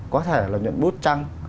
có thể là nhận bút trăng